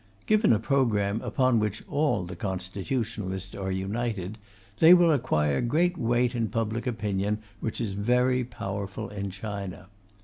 Given a programme upon which all the Constitutionalists are united, they will acquire great weight in public opinion, which is very powerful in China.